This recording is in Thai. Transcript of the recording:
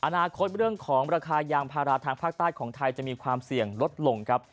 อนาคตเรื่องของราคายางพาราทางภาคใต้ของไทยจะมีความเสี่ยงลดลงครับ